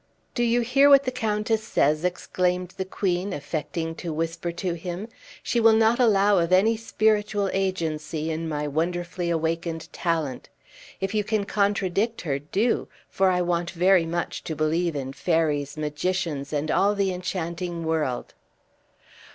"Do you hear what the countess says?" exclaimed the queen, affecting to whisper to him; "she will not allow of any spiritual agency in my wonderfully awakened talent. If you can contradict her, do; for I want very much to believe in fairies, magicians, and all the enchanting world!"